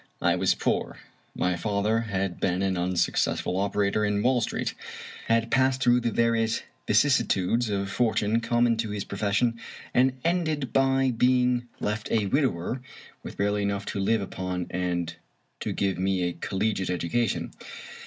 I was poor. My father had been an unsuccessful operator in Wall Street — ^had passed through the various vicissitudes of fortune common to his profession, and ended by being 24 Fitzjames O'Brien left a widower, with barely enough to live upon and to give me a collegiate education.